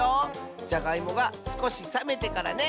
じゃがいもがすこしさめてからね！